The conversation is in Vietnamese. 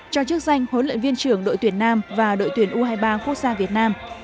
cho chức danh huấn luyện viên trưởng đội tuyển nam và đội tuyển u hai mươi ba quốc gia việt nam